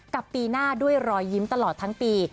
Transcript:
ปีหน้าด้วยรอยยิ้มตลอดทั้งปี